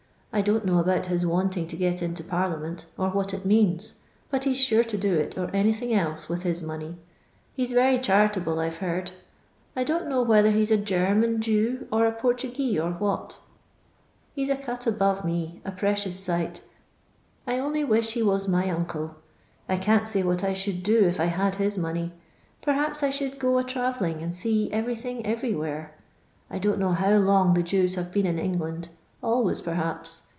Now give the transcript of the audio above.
I don't know about his wanting to get into parliament, or what it means ; but he 's sure to do it or anything else, with his money. He's rery charitable, I've heard. I don't know whether he's a Qerman Jew, or a Fortegee, or what He 's a cut above me, a precaous sight I only wish he was my ande. I can't say what I should do if I had his money. Perhaps I should go a trarellinf, and see ereiythiqg ereiywhere. I don't know how long the Jews have been in England; always per haps.